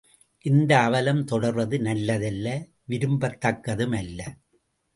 இந்த அவலம் தொடர்வது நல்லதல்ல விரும்பத்தக்கதும் அல்ல.